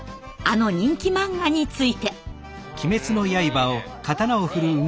あの人気漫画について。